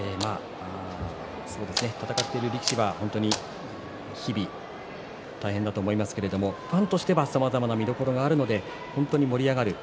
戦っている力士は日々大変だと思いますけれどファンとしては、さまざまな見どころがあるので本当に盛り上がる